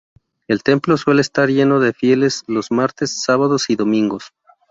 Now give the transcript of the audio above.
El templo suele estar lleno de fieles los martes, sábados y domingos.